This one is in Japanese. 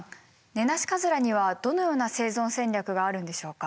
ネナシカズラにはどのような生存戦略があるんでしょうか？